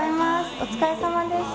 お疲れさまでした。